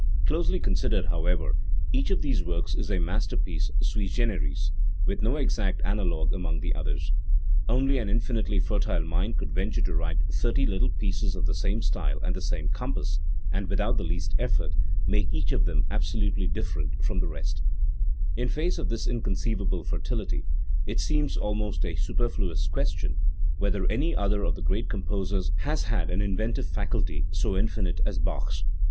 Closely considered, however, each of these works is a masterpiece sui generis, with no exact analogue among the others. Only an infinitely fertile mind could venture to write thirty little pieces of the same style and the same compass, and, without the least effort, make each of them absolutely different from the rest, In face of this inconceivable fertility it seems almost a superfluous question whether any other of the great composers has had an inventive faculty so infinite as Bach's.